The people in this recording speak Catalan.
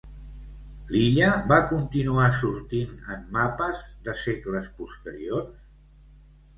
L'illa va continuar sortint en mapes de segles posteriors?